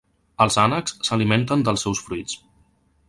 Els ànecs s'alimenten dels seus fruits.